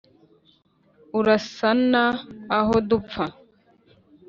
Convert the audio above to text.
Urasana aho dupfa